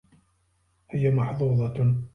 هي محظوظة.